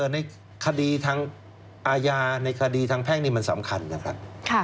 ในคดีทางอาญาในคดีทางแพ่งนี่มันสำคัญนะครับ